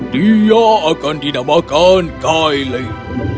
dia akan dinamakan kailin